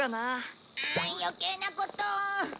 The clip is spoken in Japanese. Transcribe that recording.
ああ余計なことを。